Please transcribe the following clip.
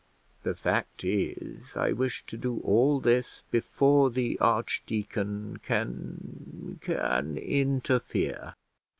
The fact is, I wish to do all this before the archdeacon can can interfere.